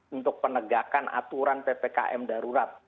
untuk penegakan aturan ppkm darurat